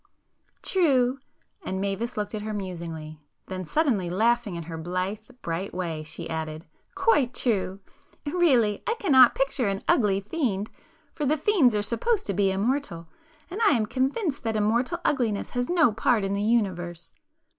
"True!" and Mavis looked at her musingly,—then suddenly laughing in her blithe bright way, she added—"Quite true! Really I cannot picture an ugly fiend,—for the fiends are supposed to be immortal, and I am convinced that immortal ugliness has no part in the universe.